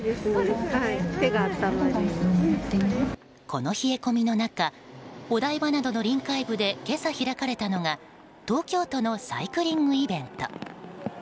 この冷え込みの中お台場などの臨海部で今朝開かれたのが東京都のサイクリングイベント。